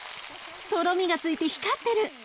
とろみがついて光ってる。